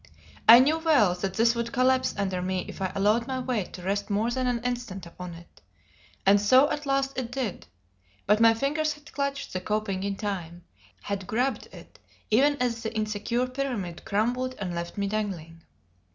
I knew well that this would collapse under me if I allowed my weight to rest more than an instant upon it. And so at last it did; but my fingers had clutched the coping in time; had grabbed it even as the insecure pyramid crumbled and left me dangling.